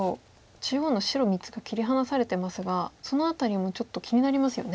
中央の白３つが切り離されてますがその辺りもちょっと気になりますよね。